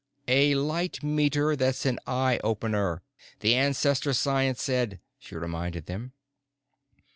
"'A light meter that's an eye opener,' the Ancestor science said," she reminded them.